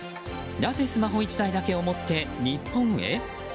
なぜスマホ１台だけを持って日本へ。